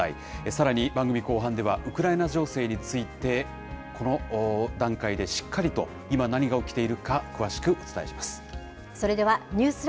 さらに番組後半では、ウクライナ情勢について、この段階でしっかりと今何が起きているか、詳しくそれではニュースＬＩＶＥ！